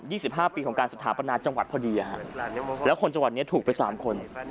ี่สิบห้าปีของการสถาปนาจังหวัดพอดีอ่ะฮะแล้วคนจังหวัดเนี้ยถูกไปสามคน